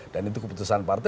dan itu keputusan partai